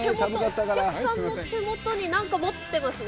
お客さんの手元に、なんか持ってますね。